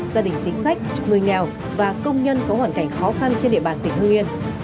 gia đình chính sách người nghèo và công nhân có hoàn cảnh khó khăn trên địa bàn tỉnh hương yên